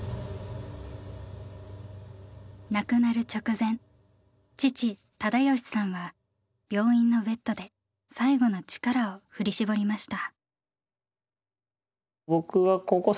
亡くなる直前父忠喜さんは病院のベッドで最後の力を振り絞りました。